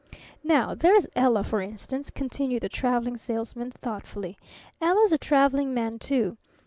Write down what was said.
"Now there's Ella, for instance," continued the Traveling Salesman thoughtfully. "Ella's a traveling man, too.